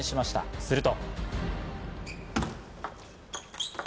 すると。